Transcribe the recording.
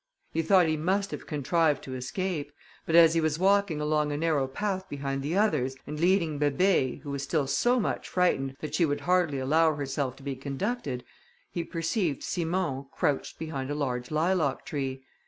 He thought he must have contrived to escape; but as he was walking along a narrow path behind the others, and leading Bébé, who was still so much frightened that she would hardly allow herself to be conducted, he perceived Simon crouched behind a large lilac tree.